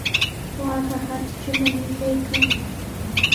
Waakaqa tritrunami kaykan.